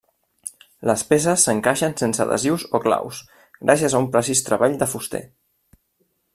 Les peces s'encaixen sense adhesius o claus, gràcies a un precís treball de fuster.